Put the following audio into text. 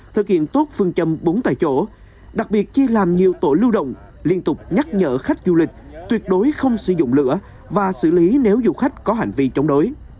thực hiện tốt phương châm bốn tại chỗ đặc biệt chia làm nhiều tổ lưu động liên tục nhắc nhở khách du lịch tuyệt đối không sử dụng lửa và xử lý nếu du khách có hành vi chống đối